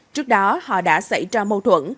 trước đó họ đã xảy ra mâu thuẫn